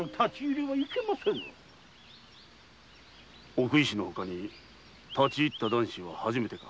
奥医師のほかに立ち入った男子は初めてか？